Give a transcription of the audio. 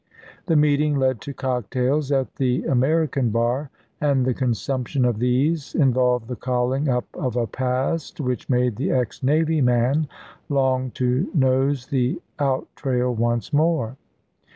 The meeting led to cocktails at the American Bar, and the consumption of these involved the calling up of a past, which made the ex navy man long to nose the out trail once more.